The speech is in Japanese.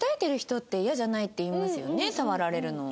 触られるの。